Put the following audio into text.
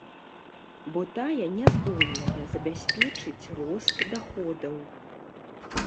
Бо тая не здольная забяспечыць рост даходаў.